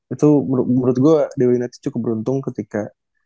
itu menurut gue dewa united cukup beruntung ketika